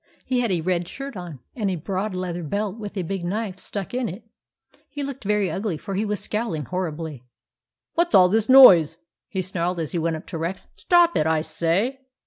He had a red shirt on, and a broad leather belt with a big knife stuck in it. He looked very ugly, for he was scowl ing horribly. " What 's all this noise ?" he snarled as he went up to Rex. " Stop it, I say